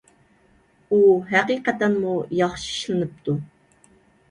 ئۇ ھەقىقەتەنمۇ ياخشى ئىشلىنىپتۇ.